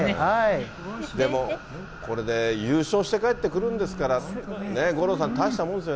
でも、これで優勝して帰ってくるんですから、五郎さん、大したもんです